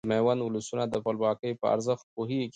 د ميوند ولسونه د خپلواکۍ په ارزښت پوهيږي .